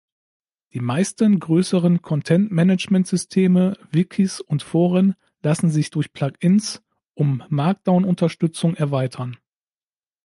Die meisten größeren Content-Management-Systeme, Wikis und Foren lassen sich durch Plug-ins um Markdown-Unterstützung erweitern.